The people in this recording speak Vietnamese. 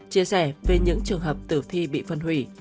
chia sẻ về những trường hợp tử thi bị phân hủy